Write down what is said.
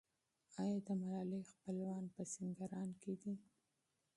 آیا د ملالۍ خپلوان په سینګران کې دي؟